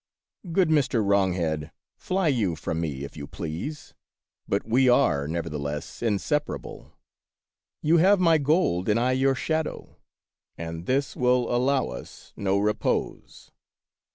Good Mr. Wronghead, fly you from me if you please, but we are, nevertheless, inseparable. You have my gold and I your shadow, and this will allow us no repose.